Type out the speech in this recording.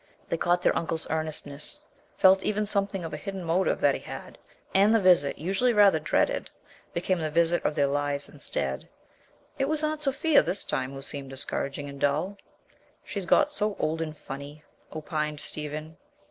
They caught their uncle's earnestness, felt even something of a hidden motive that he had; and the visit, usually rather dreaded, became the visit of their lives instead. It was Aunt Sophia this time who seemed discouraging and dull. "She's got so old and funny," opined Stephen.